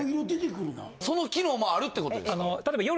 その機能もあるってことですか。